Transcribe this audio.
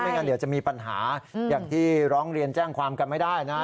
งั้นเดี๋ยวจะมีปัญหาอย่างที่ร้องเรียนแจ้งความกันไม่ได้นะ